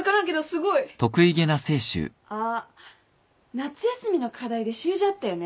あっ夏休みの課題で習字あったよね。